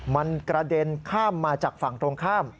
มันกระเด็นข้ามมาจากฝั่งตรงข้าม